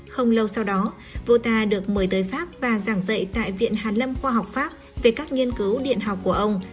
không lâu sau đó vua ta được mời tới pháp và giảng dạy tại viện hàn lâm khoa học pháp về các nghiên cứu điện học của ông